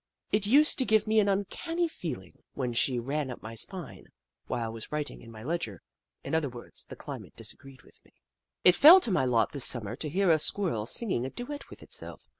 It used to give me an uncanny I02 The Book of Clever Beasts feeling when she ran up my spine while I was writing in my ledger — in other words, the climate disagreed with me. It fell to my lot this Summer to hear a Squirrel singing a duet with itself.